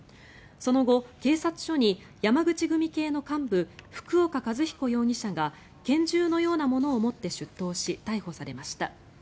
その後、警察署に山口組系の幹部福岡一彦容疑者が拳銃のようなものを持って出頭し逮捕されました。